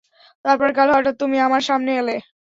তারপরে কাল হঠাৎ, তুমি আমার সামনে এলে।